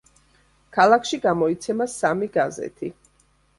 ქალაქში გამოიცემა სამი გაზეთი.